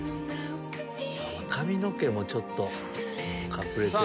髪の毛もちょっと隠れてる。